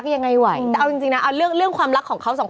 ยังไงไว้เอาจริงจริงนะเอาเรื่องเรื่องความรักของเขาสองคน